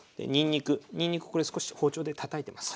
にんにくこれ少し包丁でたたいてます。